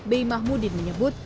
b i mahmudin menyebut